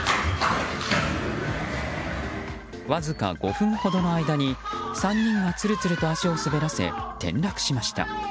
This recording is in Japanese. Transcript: わずか５分ほどの間に３人がツルツルと足を滑らせ転落しました。